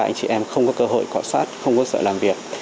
anh chị em không có cơ hội cõi sát không có sợi làm việc